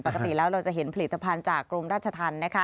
ปกติแล้วเราจะเห็นผลิตภัณฑ์จากกรมราชธรรมนะคะ